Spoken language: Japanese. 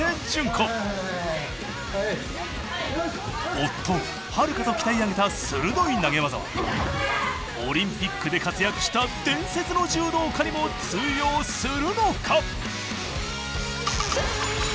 夫悠と鍛え上げた鋭い投げ技はオリンピックで活躍した伝説の柔道家にも通用するのか。